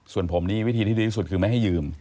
ส่วนผมนี่วิธีที่ดีที่สุดคือไม่ให้ยืม